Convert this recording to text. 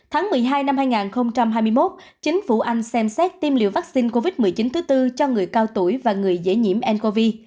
tháng một mươi hai năm hai nghìn hai mươi một chính phủ anh xem xét tiêm liều vaccine covid một mươi chín thứ tư cho người cao tuổi và người dễ nhiễm ncov